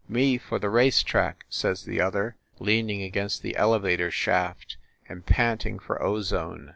"Me for the race track," says the other, leaning against the elevator shaft and panting for ozone.